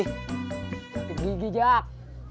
sakit gigi jak